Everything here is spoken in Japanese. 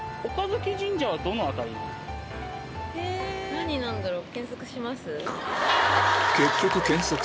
何なんだろう？